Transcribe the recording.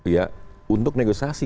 ya untuk negosiasi